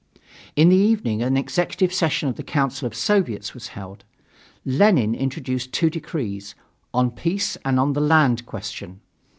In the evening an executive session of the Council of Soviets was held. Lenin introduced two decrees: on peace and on the land question.